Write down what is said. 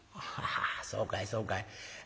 「そうかいそうかい。